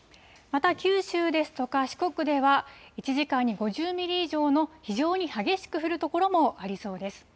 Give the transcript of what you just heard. また、九州ですとか、四国では、１時間に５０ミリ以上の非常に激しく降る所もありそうです。